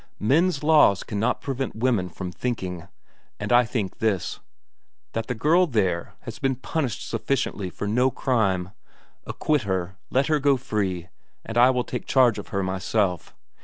Men's laws cannot prevent women from thinking; and I think this, that the girl there has been punished sufficiently for no crime. Acquit her, let her go free, and I will take charge of her myself.